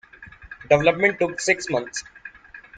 Development took six months.